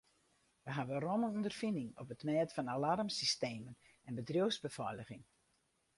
Wy hawwe romme ûnderfining op it mêd fan alarmsystemen en bedriuwsbefeiliging.